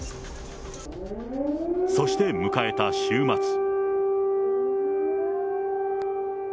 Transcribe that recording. そして迎えた週末。